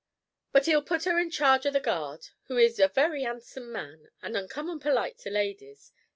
But he'll put 'er in charge of the guard, who is a very 'andsome man, and uncommon polite to ladies.